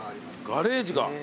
ガレージが。